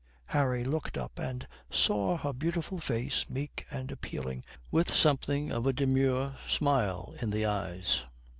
Harry looked up and saw her beautiful face meek and appealing, with something of a demure smile in the eyes.